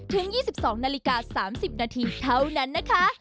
ถึง๒๒นาฬิกา๓๐นาทีเท่านั้นนะคะ